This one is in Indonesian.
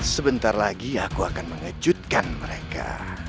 sebentar lagi aku akan mengejutkan mereka